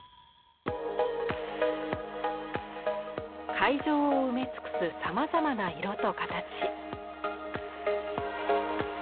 会場を埋め尽くすさまざまな色と形。